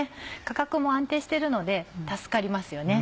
価格も安定してるので助かりますよね。